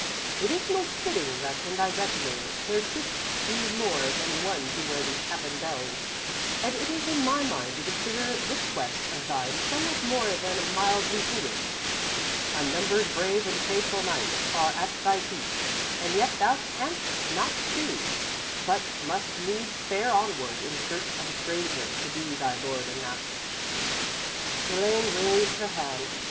It is most fitting that in thy retinue there shouldst be more than one to wear the cap and bells, and it is in my mind to consider this quest of thine somewhat more than mildly foolish. Unnumbered brave and faithful knights are at thy feet and yet thou canst not choose, but must needs fare onward in search of a stranger to be thy lord and master."_ _Elaine raised her hand.